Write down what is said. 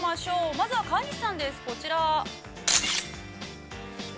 まずは川西さんです。